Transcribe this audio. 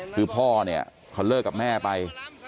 คือพ่อเนี่ยเขาเลิกกับแม่ไป